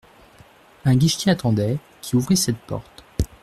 Un guichetier attendait, qui ouvrit cette porte.